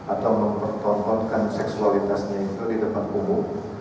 atau mempertontonkan seksualitasnya itu di depan umum